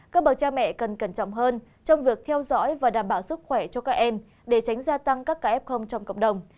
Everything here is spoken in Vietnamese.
các bậc cha mẹ cần cẩn trọng hơn trong việc theo dõi và đảm bảo sức khỏe cho các em để tránh gia tăng các ca f trong cộng đồng